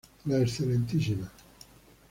La Excma.